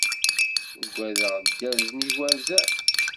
Ugadeɣ dderz n igerzan